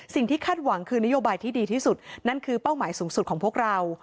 คาดหวังคือนโยบายที่ดีที่สุดนั่นคือเป้าหมายสูงสุดของพวกเรา